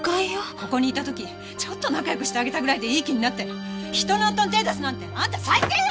ここにいた時ちょっと仲良くしてあげたぐらいでいい気になって人の夫に手出すなんてあんた最低よ！